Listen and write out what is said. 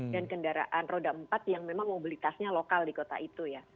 kendaraan roda empat yang memang mobilitasnya lokal di kota itu ya